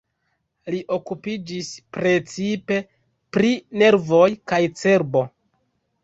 Li okupiĝis precipe pri nervoj kaj cerbo.